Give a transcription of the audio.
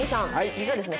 実はですね